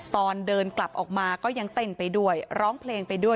ตอนเดินกลับออกมาก็ยังเต้นไปด้วยร้องเพลงไปด้วย